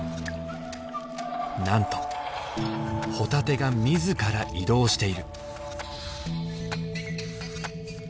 なんとホタテが自ら移動している。